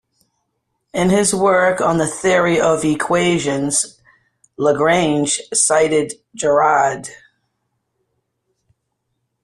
In his work on the theory of equations, Lagrange cited Girard.